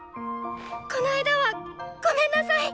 この間はごめんなさい！